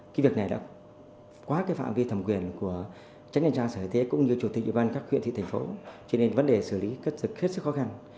cái việc này đã quá phạm vi thẩm quyền của tránh nhân trang sở y tế cũng như chủ tịch ủy ban các huyện thịnh phố cho nên vấn đề xử lý rất khó khăn